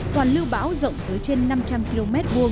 hoàn lưu bão rộng tới trên năm trăm linh km hai